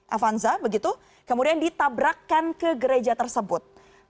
avanza begitu kemudian ditabrakkan ke gereja tersebut